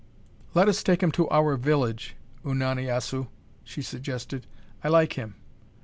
"Let us take him to our village, Unani Assu!" she suggested. "I like him."